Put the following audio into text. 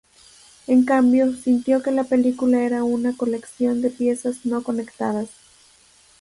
En cambio, sintió que la película era una colección de piezas no conectadas.